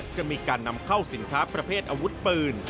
จะมีการนำเข้าสินค้าประเภทอาวุธปืน